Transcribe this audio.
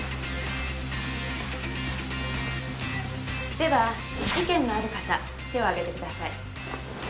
では意見のある方手を挙げてください。